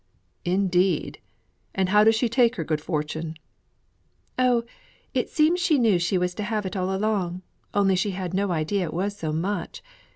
"Indeed! and how does she take her good fortune?" "Oh, it seems she knew she was to have it all along; only she had no idea it was so much.